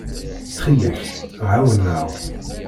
Ttxil-k, ɛawen-aɣ.